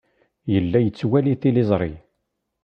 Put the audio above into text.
Yella yettwali tiliẓri.